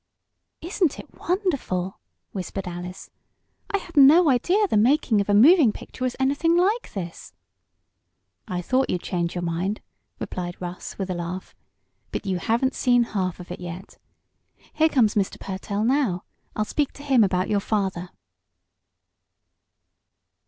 "Isn't it wonderful?" whispered Alice. "I had no idea the making of a moving picture was anything like this!" "I thought you'd change your mind," replied Russ, with a laugh. "But you haven't seen half of it yet. Here comes Mr. Pertell now. I'll speak to him about your father."